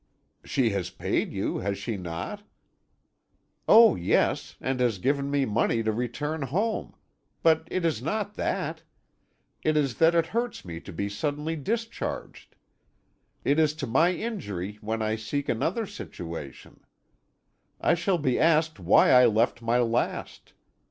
"She has paid you, has she not?" "Oh yes, and has given me money to return home. But it is not that. It is that it hurts me to be suddenly discharged. It is to my injury when I seek another situation. I shall be asked why I left my last.